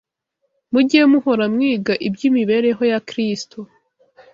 Mujye muhora mwiga iby’imibereho ya Kristo